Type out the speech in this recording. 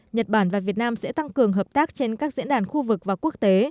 nhật bản và việt nam sẽ tăng cường hợp tác trên các diễn đàn khu vực và quốc tế